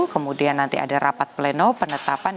kemudian nanti ada rapat pleno penetapan